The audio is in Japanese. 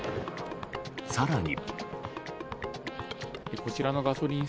更に。